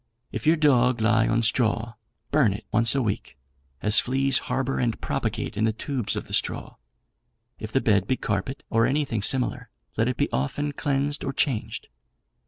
If your dog lie on straw, burn it once a week, as fleas harbour and propagate in the tubes of the straw. If the bed be carpet, or anything similar, let it be often cleansed or changed.